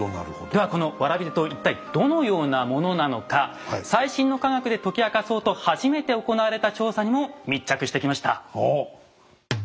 ではこの蕨手刀一体どのようなものなのか最新の科学で解き明かそうと初めて行われた調査にも密着してきました。